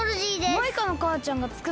マイカのかあちゃんがつくったんだよ。